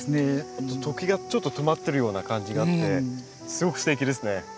時がちょっと止まってるような感じがあってすごくステキですね。